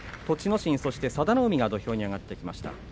心と佐田の海が土俵に上がってきました。